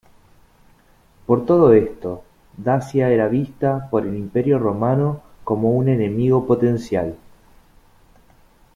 Por todo esto, Dacia era vista por el Imperio romano como un enemigo potencial.